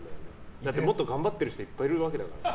だってもっと頑張ってる人いっぱいいるわけだから。